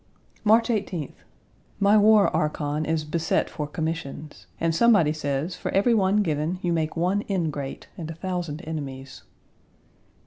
March 18th. My war archon is beset for commissions, and somebody says for every one given, you make one ingrate and a thousand enemies.